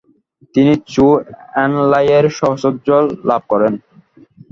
তিনি চৌ এন-লাই-এর সহচর্য লাভ করেন।